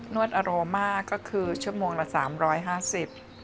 วดอโรมากก็คือชั่วโมงละ๓๕๐บาท